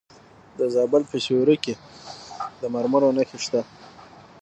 د زابل په سیوري کې د مرمرو نښې شته.